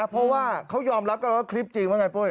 เพราะว่าเขายอมรับกันว่าคลิปจริงว่าไงปุ้ย